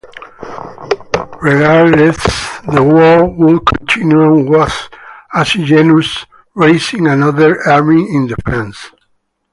Regardless, the war would continue on with Asiagenus raising another army in defence.